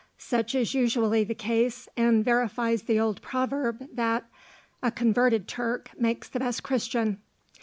Such is usually the case, and verifies the old proverb, that "A converted Turk makes the best Christian."